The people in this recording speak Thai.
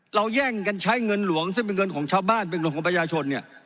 แย่งกันใช้เงินหลวงซึ่งเป็นเงินของชาวบ้านเป็นเงินของประชาชนเนี่ย